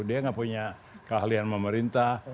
dia nggak punya keahlian pemerintah